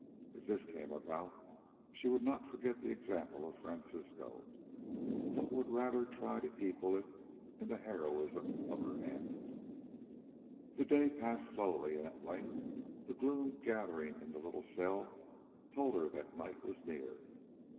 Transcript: If this came about, she would not forget the example of Francisco, but would rather try to equal it in the heroism of her end. The day passed slowly, and at length the gloom gathering in the little cell told her that night was near.